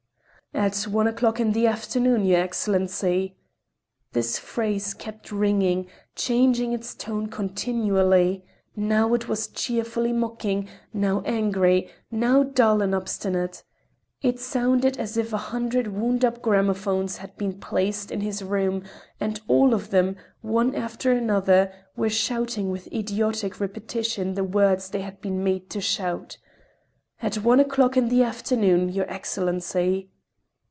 "At one o'clock in the afternoon, your Excellency!" this phrase kept ringing, changing its tone continually: now it was cheerfully mocking, now angry, now dull and obstinate. It sounded as if a hundred wound up gramophones had been placed in his room, and all of them, one after another, were shouting with idiotic repetition the words they had been made to shout: "At one o'clock in the afternoon, your Excellency!"